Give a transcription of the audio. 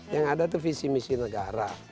yang ada itu visi misi negara